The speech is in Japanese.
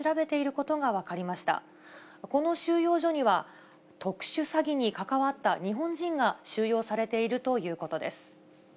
この収容所には、特殊詐欺に関わった日本人が収容されているということです。